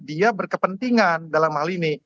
dia berkepentingan dalam hal ini